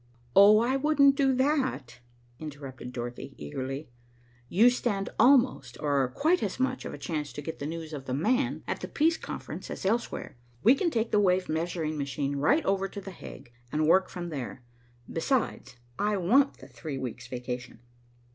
"Oh, I wouldn't do that," interrupted Dorothy eagerly. "You stand almost, or quite as much of a chance to get news of 'the man' at the peace conference, as elsewhere. We can take the wave measuring machine right over to The Hague, and work from there. Besides, I want the three weeks' vacation."